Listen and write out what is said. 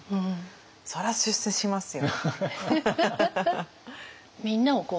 そりゃ出世しますよ。